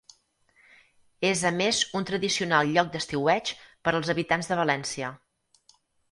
És a més un tradicional lloc d'estiueig per als habitants de València.